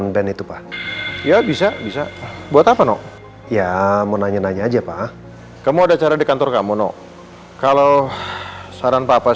begini ada yang ingin saya bicarakan dengan kalian